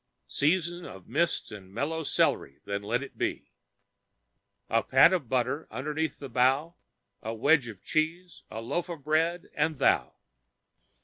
Season of mists and mellow celery, then let it be. A pat of butter underneath the bough, a wedge of cheese, a loaf of bread and Thou.